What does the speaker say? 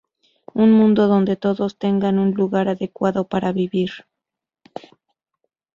Un mundo donde todos tengan un lugar adecuado para vivir.